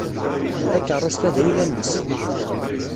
Takeṛṛust-a d ayla-nnes.